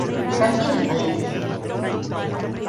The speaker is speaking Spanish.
Nació en Palencia.